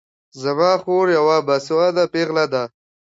زما خور يوه باسواده پېغله ده